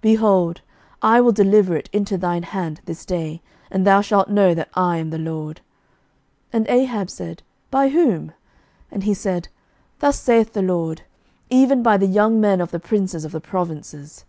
behold, I will deliver it into thine hand this day; and thou shalt know that I am the LORD. 11:020:014 And Ahab said, By whom? And he said, Thus saith the LORD, Even by the young men of the princes of the provinces.